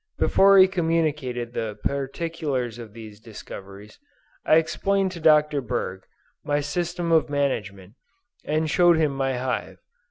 Before he communicated the particulars of these discoveries, I explained to Dr. Berg, my system of management, and showed him my hive.